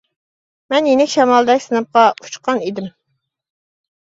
مەن يېنىك شامالدەك سىنىپقا «ئۇچقان» ئىدىم.